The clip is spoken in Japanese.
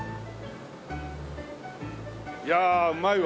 いやうまいわ。